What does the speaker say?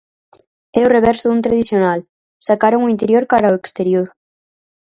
É o reverso dun tradicional, sacaron o interior cara ao exterior.